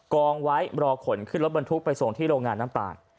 กองไว้รอขนขึ้นรถบรรทุกไปส่งที่โรงงานน้ำตาล